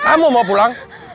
kamu mau pulang